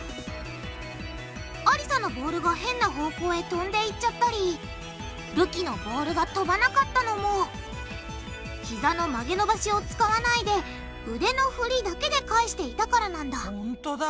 ありさのボールが変な方向へとんでいっちゃったりるきのボールがとばなかったのもひざの曲げ伸ばしを使わないで腕の振りだけで返していたからなんだほんとだ。